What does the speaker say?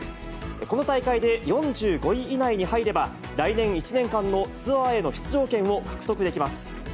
この大会で４５位以内に入れば、来年１年間のツアーへの出場権を獲得できます。